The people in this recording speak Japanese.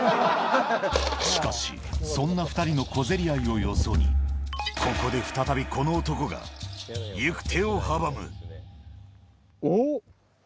しかし、そんな２人の小競り合いをよそに、ここで再びこの男が、行く手を阻おおっ！